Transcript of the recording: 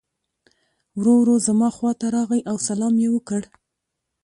ورو ورو زما خواته راغی او سلام یې وکړ.